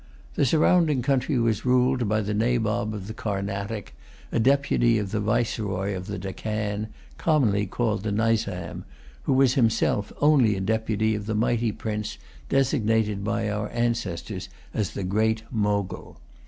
The surrounding country was ruled by the Nabob of the Carnatic, a deputy of the Viceroy of the Deccan, commonly called the Nizam, who was himself only a deputy of the mighty prince designated by our ancestors as the Great Mogul.